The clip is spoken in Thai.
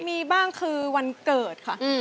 มีบ้างคือวันเกิดค่ะ